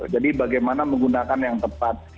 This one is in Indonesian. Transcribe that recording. jadi bagaimana menggunakan yang tepat